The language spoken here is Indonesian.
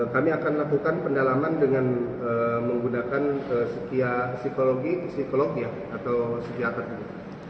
kami akan lakukan pendalaman dengan menggunakan sekia psikologi psikologi atau sekia akademi